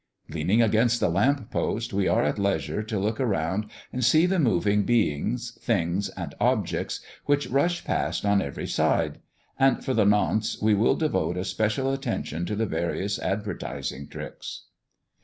Leaning against the lamp post we are at leisure to look around and see the moving beings, things, and objects, which rush past on every side; and for the nonce we will devote a special attention to the various advertising tricks.